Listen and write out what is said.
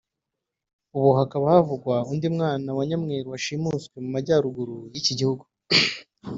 ubu hakaba havugwa undi mwana wa nyamweru washimutswe mu majyaruguru y’iki gihugu